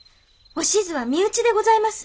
おしづは身内でございます。